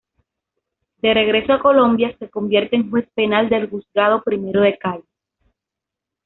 De regreso a Colombia se convierte en Juez penal del juzgado primero de Cali.